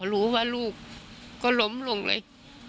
รู้ว่าลูกก็ล้มลงเลย